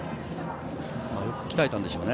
鍛えたんでしょうね。